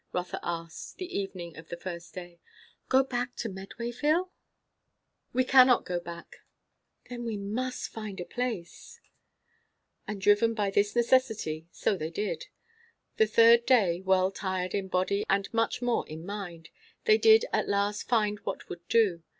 Rotha asked, the evening of the first day. "Go back to Medwayville?" "We cannot go back." "Then we must find a place," said Rotha. And driven by this necessity, so they did. The third day, well tired in body and much more in mind, they did at last find what would do.